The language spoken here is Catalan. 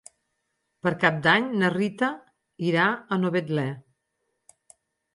Per Cap d'Any na Rita irà a Novetlè.